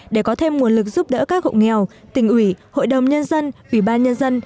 để có thêm nguồn lực giúp đỡ các hộ nghèo tỉnh ủy hội đồng nhân dân ủy ban nhân dân